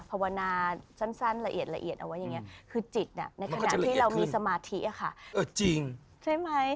ภาวนาสั้นละเอียดเอาไว้เยี้ยงนี้